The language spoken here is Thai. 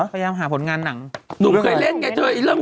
เป็นการกระตุ้นการไหลเวียนของเลือด